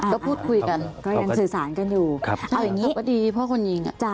ก็พูดคุยกันยังสื่อสารกันอยู่